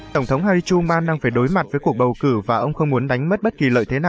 tổng thống hay truman đang phải đối mặt với cuộc bầu cử và ông không muốn đánh mất bất kỳ lợi thế nào